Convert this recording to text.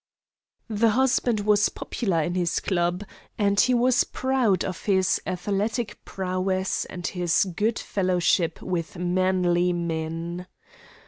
The husband was popular in his club, and he was proud of his athletic prowess and his good fellowship with manly men.